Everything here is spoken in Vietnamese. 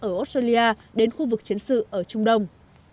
ở australia đến khu vực chiến sự ở trung đông